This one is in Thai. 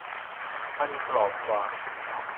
มันกรอบกว่า